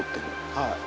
はい。